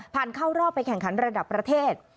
เข้ารอบไปแข่งขันระดับประเทศ